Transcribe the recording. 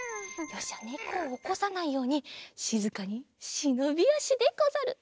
よしじゃねこをおこさないようにしずかにしのびあしでござる。